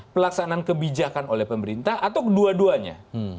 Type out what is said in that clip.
pelaksanaan kebijakan oleh pemerintah atau kedua duanya